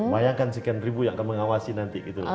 bayangkan sekian ribu yang akan mengawasi nanti gitu loh